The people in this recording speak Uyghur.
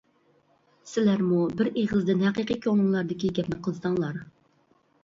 سىلەرمۇ بىر ئېغىزدىن ھەقىقىي كۆڭلۈڭلاردىكى گەپنى قىلساڭلار.